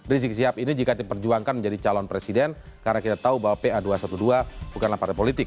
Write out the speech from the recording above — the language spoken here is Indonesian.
rizik sihab ini jika diperjuangkan menjadi calon presiden karena kita tahu bahwa pa dua ratus dua belas bukanlah partai politik